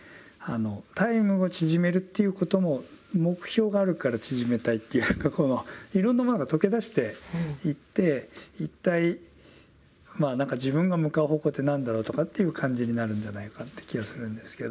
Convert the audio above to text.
タイムを縮めるっていうことも目標があるから縮めたいっていうかいろんなものが溶け出していって一体まあ何か自分が向かう方向って何だろうとかっていう感じになるんじゃないかって気がするんですけど。